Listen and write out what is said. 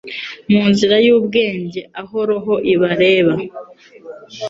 Mu nzira y'ubwenge aho roho ibareba